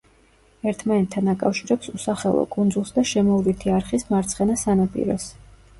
ერთმანეთთან აკავშირებს უსახელო კუნძულს და შემოვლითი არხის მარცხენა სანაპიროს.